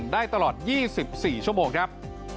ได้ตลอด๒๔ชั่วโมงครับ